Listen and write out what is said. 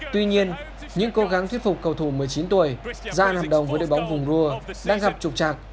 tuy nhiên những cố gắng thuyết phục cầu thủ một mươi chín tuổi ra làm hợp đồng với đội bóng vùng rua đang gặp trục trạc